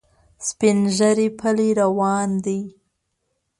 سپین ږیری پلی روان دی.